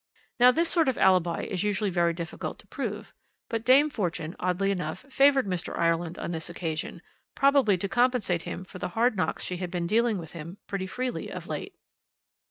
Now, this sort of alibi is usually very difficult to prove, but Dame Fortune, oddly enough, favoured Mr. Ireland on this occasion, probably to compensate him for the hard knocks she had been dealing him pretty freely of late.